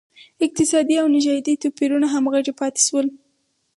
اقتصادي او نژادي توپیرونه همغږي پاتې شول.